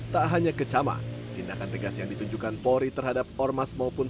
tak hanya kecaman tindakan tegas yang ditunjukkan polri terhadap ormas maupun